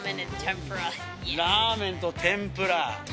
ラーメンと天ぷら。